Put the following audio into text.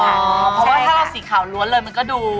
เพราะว่าถ้าเอาสีขาวล้วนเลยมันก็ดู